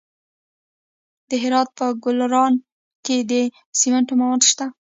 د هرات په ګلران کې د سمنټو مواد شته.